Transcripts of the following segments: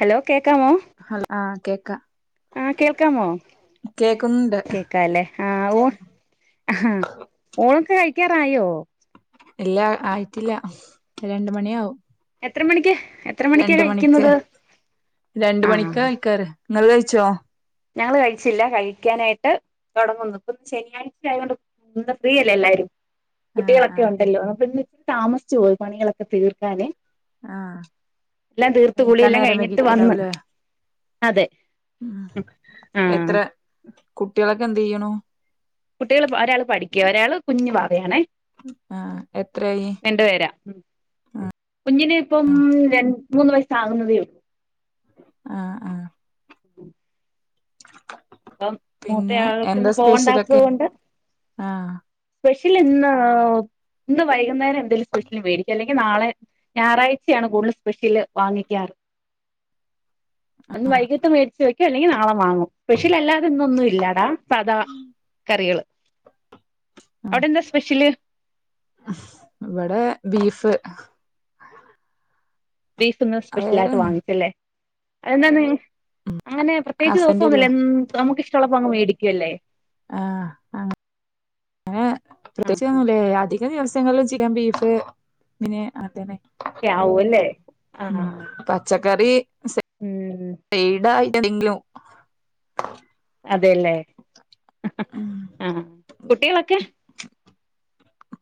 Hello കേക്കാമോ? Hello ആഹ് കേക്കാ ആഹ് കേൾക്കാമോ? കേക്കുന്നുണ്ട് കേക്കാല്ലേ. ആഹ് ഓഹ് ആഹാ ഓൾക്ക് കഴിക്കാറായോ? ഇല്ലാ ആയിട്ടില്ല. രണ്ട്മണിയാവും എത്ര മണിക്ക്? എത്ര മണിക്കാ രണ്ട്മണിക്ക്. കഴിക്കുന്നത് രണ്ട് ആ മണിക്കാ കഴിക്കാറ്. ങ്ങള് കഴിച്ചോ? ഞങ്ങള് കഴിച്ചില്ല. കഴിക്കാനായിട്ട് തൊടങ്ങുന്നു. പ്പം ശനിയാഴ്ച ആയതോണ്ട് ഇന്ന് ഫ്രീയല്ലേ എല്ലാരും. കുട്ടികളൊക്കെ ആഹ് ഒണ്ടല്ലോ. അപ്പൊ ഇന്ന് താമസിച്ചു പോയി പണികളൊക്കെ തീർക്കാന് ആഹ് എല്ലാം തീർത്ത് എണീക്കാൻ കുളിയെല്ലാം നേരം കഴിഞ്ഞിട്ട് വന്ന് വൈകിട്ടുണ്ടാവൂലേ അതെ. ഉം എത്ര ആഹ് കുട്ടികളൊക്കെ എന്തെയ്യണൂ? കുട്ടികള് പൊ ഒരാള് പഠിക്കുവാ. ഒരാള് കുഞ്ഞു വാവയാണേ. ആഹ് എത്രായി? രണ്ട്പേരാ. കുഞ്ഞിനിപ്പം രണ്ട്, മൂന്ന് വയസാവുന്നതേ ആഹ് ആഹ് പ്പം മൂത്ത പിന്നെ എന്താ ആള്ക്ക്ന്ന് പോവണ്ടാത്തത് സ്പെഷ്യലൊക്കെ കൊണ്ട് ആഹ് പെഷ്യല്ന്ന് ഇന്ന് വൈകുന്നേരം എന്തേലും സ്പെഷ്യല് വേടിക്കു. അ ല്ലെങ്കി ങ്കി നാളെ. ഞായറാഴ്ചയാണ് കൂടുതല് സ്പെഷ്യല് വാങ്ങിക്കാറ്. അന്ന് വൈകിട്ട് മേടിച്ച് വയ്ക്കോ അല്ലെങ്കി നാളെ വാങ്ങും. സ്പെഷ്യലല്ലാതെ ഇന്നൊന്നും ഇല്ലാടാ. സദാ കറികള്. അവ്ടെന്താ സ്പെഷ്യല്? വടെ ബീഫ്. ബീഫ് ഇന്ന് സ്പെഷ്യലായിട്ട് വേറെന്നും വാങ്ങിച്ചുല്ലേ. അതെന്താന്ന് അങ്ങനെ പ്രത്യേകിച്ച് ഹസ്ബൻഡ് ദെവസൊന്നുല്ല ഇല്ലേ എന്നു നമുക്ക് ഇഷ്ടൊള്ളപ്പ അങ്ങ് മേടിക്കുല്ലേ ആഹ് ആ അങ്ങന ആ പ്രത്യേകിച്ചൊന്നുല്ല ആദ്യ ചെല ദിവസങ്ങളില് ചിക്കാൻ ബീഫ് പിന്നെ അതന്നെ ക്കേആവോല്ലേ ഉം ആഹ് ആഹ് മം [unintelligible] ന്തെങ്കിലും അതേല്ലേ അ ഉം ആഹ് ആഹാ കുട്ടികളൊക്കെ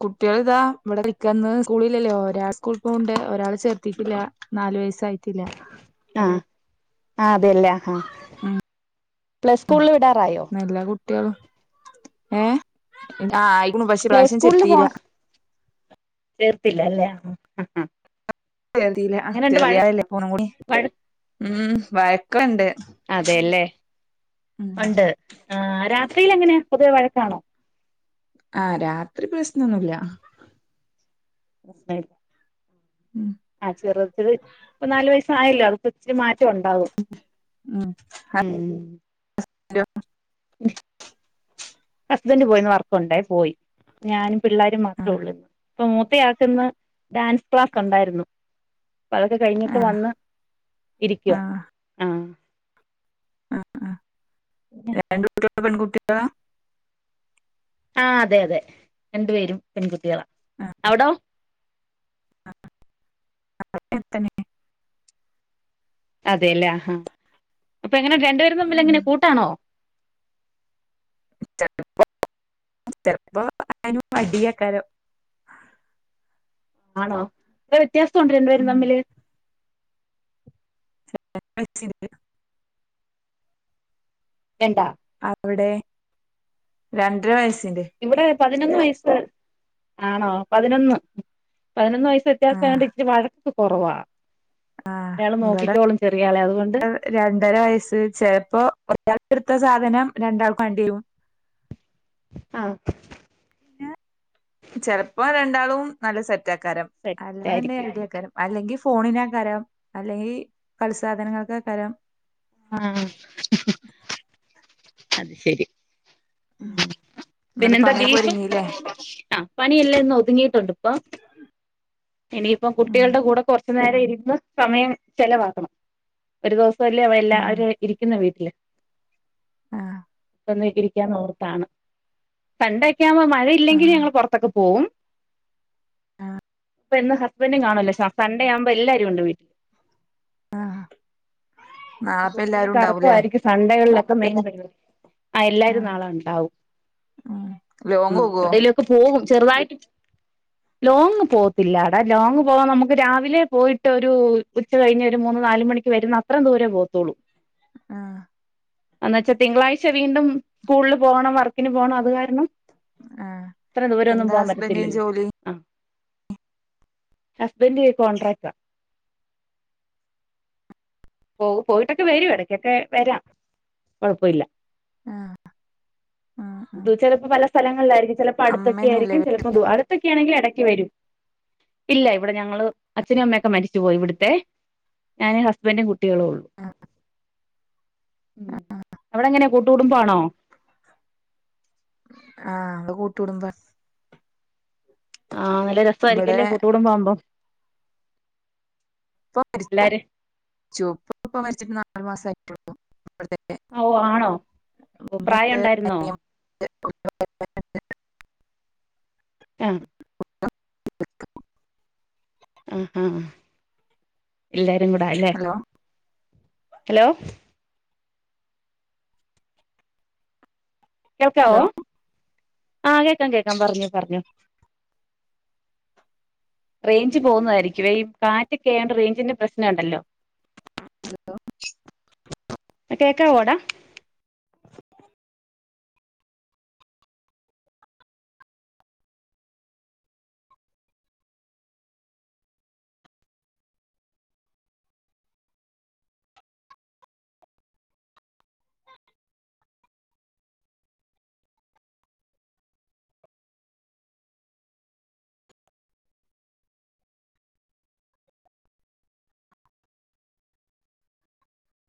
കുട്ടികളിദാ ഇവിടെ നിക്കന്നു സ്കൂളില്ലല്ലോ ഒരാള് സ്കൂളി പോണ് ണ്ട് ഒരാളെ ചേർത്തിട്ടില്ല നാല് വയസ്സായിട്ടില്ല ആഹ് ആ അതേല്ലേ ഹാ പ്ലേ സ്കൂളില് വിടാറായോ ട്ട ഏഹ് ആയിക്കണു പക്ഷേ ഈ പ്ലേ പ്രാവശ്യം ചെർത്തീല്ല ചേർത്തില്ല അ ആഹ് [unintelligible] വഴ മം വഴക്കണ്ട് അതേല്ലേ ഉം ഒണ്ട് ആ രാത്രീലെങ്ങനെ പൊതുവെ വഴക്കാണോ ആഹ് രാത്രി പ്രശനൊന്നുല്ല [inaudible] ഉം ആ ചെറുതില് ഇപ്പോ നല് വയ ഇപ്പൊ ആയാലോ ഇചിരി മാറ്റം ഒണ്ടാവും മം [unintelligible] ഹസ്ബെൻഡ് പോയി ഇന്ന് വർക്കൊണ്ടേ പോയി ഞാനും പിള്ളോരും മാത്രോ ആഹ് ഒള്ളൂ ഇന്ന് ഇപ്പ മൂത്തയാൾക്കിന്ന് ഡാൻസ് ക്ലാസ് ഒണ്ടായിരുന്നു അപ്പ അതൊക്കെ കഴിഞ്ഞിട്ട് ആഹ് വന്ന് ഇരിക്കുവ ആ ആ ആ രണ്ട കുട്ടികളും പെൺകുട്ടികളാ ആ അതെയതെ രണ്ടു പേരും പെൺകുട്ടികളാ ആ അവിടോ ഇവിടെ അങ്ങനെ തന്നെ അതെല്ലേ ഹാ അപ്പൊ എങ്ങനെ രണ്ടു പേരും ഉം തമ്മിലെങ്ങനാ കൂട്ടാണോ ചെലപ്പോ ചെലപ്പോ [unintelligible] അടിയായികരം ആണോ എത്രെ വ്യത്യാസം ഉണ്ട് രണ്ടുപേരും ഉം തമ്മില് [unintelligible] രണ്ടാ അവിടെ രണ്ടര വയസിന്റെ ഇവിടെ പതിനൊന്ന് വയസ്സ് ആണോ പതിനൊന്ന് പതിനൊന്ന് വയസ്സ് ആഹ് വ്യത്യാസയോണ്ട് ഇച്ചിരി വഴക്ക്‌ കുറവാ ആ ഒരാള് ഇവടെ നോക്കിക്കോളും ചെറിയ ആളെ അതുകൊണ്ട് [unintelligible] രണ്ടര വയസ്സ് ചിലപ്പോ ഒരാളെടുത്ത സാധനം രണ്ടാൾക്കും വേണ്ടി വെരും ആഹ് പിന്നെ ചെലപ്പോ രണ്ടാളും നല്ല സെറ്റാക്കാരും അല്ലന്നിടൽ സെറ്റായിരിക്കും അടിയക്കാരം അല്ലെങ്കില് ഫോണിനെ കരം അല്ലെങ്കിൽ കളിസാധനങ്ങൾക്കാ കരം ആ അത് ശരി പിന്നെ ഇന്നട്ട് എന്താ പണിയൊക്കെ ബീഫ് ഒരുങ്ങില്ലേ [unintelligible] പണിയല്ലൊന്ന് ഒതുങ്ങിയിട്ടുണ്ട് ഇപ്പ ഇനിയിപ്പ ഉം കുട്ടികളുടെ കൂടെ കൊറ കൊറച്ചു നേരം ഇരിക്കുന്ന സമയം ചെലവാക്കണം ഒരു ദിവസം അല്ലേ അവ എല്ലാവരും ഉം അവര് ഇരിക്കുന്ന വീട്ടില് ആഹ് തന്നൊക്കെയികരിക്കാന്ന ഓർത്താണ് സൺ‌ഡേക്കാകുമ്പോ മഴയില്ലെങ്കിൽ ഞങ്ങൾ പുറത്തൊക്കെ പോവും ആഹ് ഇപ്പൊ എന്നും ഹസ്ബൻഡും കാണല്ല സൺഡേ ആവുമ്പോ എല്ലാരും ഉണ്ട് വീട്ടില് ആഹ് നാളെപ്പ എല്ലാരും കൂടുതലും ഉണ്ടാവൂലേ കറക്കമായിരിക്കും സൺണ്ടേകളിലൊക്കെ മെയിൻ പരിപാടി ആഹ് എല്ലാരും നാളെ ഉണ്ടാവും ഉം ലോങ് പോകോ എവിടേലുമൊക്കെ പോവും ചെറുതായിട്ട് ലോങ്ങ് പോകത്തില്ല ടാ ലോങ്ങ് പോവാൻ നമുക്ക് രാവിലെ പോയിട്ട് ഒരു ഉച്ച കഴിഞ്ഞ് ഒരു മൂന്ന് നാല് മണിക്ക് വരുന്ന അത്രേ അത്രേം ദൂരെ പോവത്തുള്ളൂ ആഹ് എന്ന വച്ചാ തിങ്കളാഴ്ച വീണ്ടും സ്കൂളില് പോണം വർക്കിന് പോണം അത് കാരണം ആഹ് ഇത്ര ദൂരൊന്നും എന്താ പോവാൻ ഹസ്ബന്റിന് പറ്റത്തില്ലല്ലോ ജോലി ആഹ് ഹസ്ബെന്റ് കോൺട്രാക്ടാ പോകും പോയിട്ടൊക്കെ വരും ഇടക്കൊക്കെ വരാം കൊഴപ്പില്ല ആഹ് ആഹ് ആഹ് ദൂച്ചടപ്പ പല സ്ഥലങ്ങളിലായിരിക്കും ചിലപ്പോ അടുത്തൊക്കെ അമ്മയൊന്നുല്ലേ ആയിരിക്കും വീട്ടില് ചിലപ്പോ അടുത്തൊക്കെ ആണെങ്കിൽ എടയ്ക്ക് വരും ഇല്ല ഇവിടെ ഞങ്ങള് അച്ഛനും അമ്മയൊക്കെ മരിച്ചു പോയി ഇവിടുത്തെ ഞാൻ ഹസ്ബൻറും കുട്ടികളും കുട്ടികളുള്ളൂ അവിടെ എങ്ങനെയാ കൂട്ടുകടുംബണോ ആഹ് കൂട്ടുകുടുംബണ് ആഹ് നല്ല ഇവിടെ രസമായിരിക്കല്ലേ കൂട്ട് കുടുംബമാകുമ്പോ ഉപ്പ എല്ലാരും മരിച്ചു ഉപ്പ മരിച്ചിട്ട് നാലു മാസായി ഓഹ് ആണോ പ്രായം ഉണ്ടായിരുന്നോ [unintelligible] ആഹ് [unintelligible] ആഹ് ആഹ് ആഹ് എല്ലാരും കൂടാ അല്ലേ ഹലോ ഹലോ കേൾക്കാവോ ഹലോ ആ കേക്കാം കേക്കാം പറഞ്ഞോ പറഞ്ഞോ റേഞ്ച് പോകുന്നതായിരിക്കുവേ ഈ കാറ്റൊക്കെയായോണ്ട റേഞ്ചിന്റെ പ്രശ്നംണ്ടല്ലോ കേക്കാവൊടാ